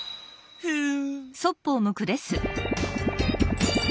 ふん！